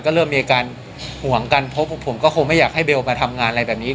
ก็เริ่มมีอาการห่วงกันเพราะผมก็คงไม่อยากให้เบลมาทำงานอะไรแบบนี้